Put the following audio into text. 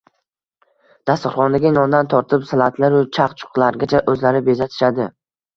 Dasturxondagi nondan tortib, salatlar-u, chaq-chuqlargacha o`zlari bezatishadi